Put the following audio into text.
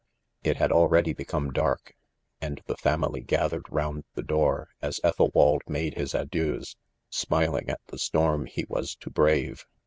* It had already become dark ; and the fami ly gathered round tie door, as Ethelwald made his adieus, smiling at the storm lie was to brave